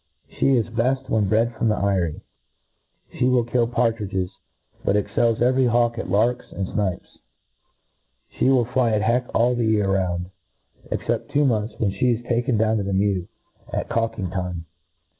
She i$ beft when bred from the eyrie. She will kill partridges ; but excells every hawk at larks and fiiipcs. She will fly at heck all the year round, except two months, when (he is taken down to the mew, at cawkingrtime.